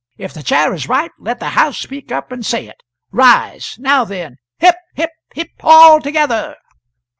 If the Chair is right, let the house speak up and say it. Rise! Now, then hip! hip! hip! all together!"